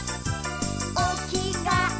「おきがえ